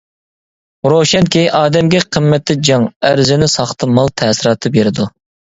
روشەنكى، ئادەمگە قىممىتى جىڭ، ئەرزىنى ساختا مال تەسىراتى بېرىدۇ.